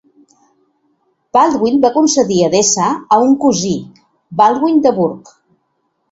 Baldwin va concedir Edessa a un cosí, Baldwin de Bourcq.